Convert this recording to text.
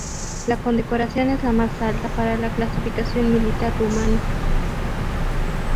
La condecoración es la más alta para la clasificación militar rumana.